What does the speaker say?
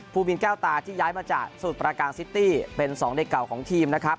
ภูมิแก้วตาที่ย้ายมาจากสมุทรประการซิตี้เป็นสองเด็กเก่าของทีมนะครับ